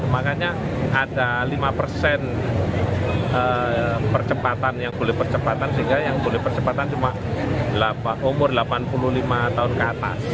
makanya ada lima persen yang boleh percepatan sehingga yang boleh percepatan cuma umur delapan puluh lima tahun ke atas